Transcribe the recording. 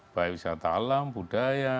baik wisata alam budaya